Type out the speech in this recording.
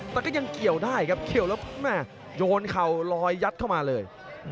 แต่ก็ยังเกี่ยวได้ครับเกี่ยวแล้วแม่โยนเข่าลอยยัดเข้ามาเลย